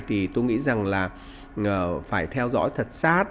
thì tôi nghĩ rằng là phải theo dõi thật sát